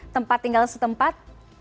tempat tinggal setempat